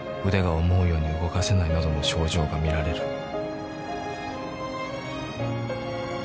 「腕が思うように動かせないなどの症状が見られる」